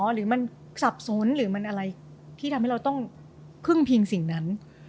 หรือมันสับสนหรือมันอะไรที่ทำให้เราต้องพึ่งพิงสิ่งนั้น